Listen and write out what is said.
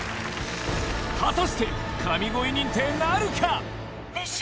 果たして神声認定なるか⁉熱唱！